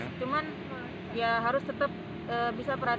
cuman ya harus tetap bisa perhatiin kiri kanan juga gitu kan